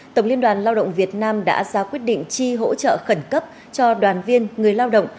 tổng liên đoàn lao động việt nam đã ra quyết định chi hỗ trợ khẩn cấp cho đoàn viên người lao động